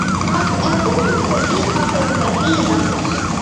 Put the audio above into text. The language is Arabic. قد أكون صديقك الوحيد.